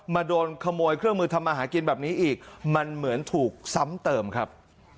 โดนขโมยเครื่องมือทำมาหากินแบบนี้อีกมันเหมือนถูกซ้ำเติมครับ